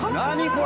これ！